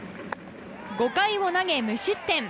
５回を投げ、無失点。